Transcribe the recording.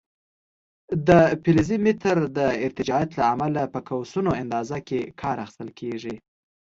د فلزي متر د ارتجاعیت له امله په قوسونو اندازه کې کار اخیستل کېږي.